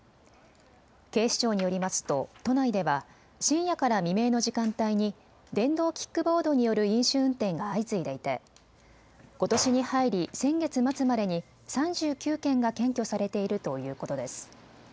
警視庁によりますと都内では深夜から未明の時間帯に電動キックボードによる飲酒運転が相次いでいてことしに入り先月末までに３９件が検挙されているということです。